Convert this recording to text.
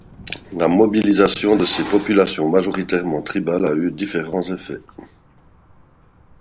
La mobilisation de ces populations majoritairement tribales a eu différent effets.